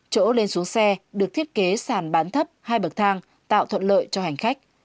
chỗ lên xuống xe được thiết kế sàn bán thấp hai bậc thang tạo thuận lợi cho hành khách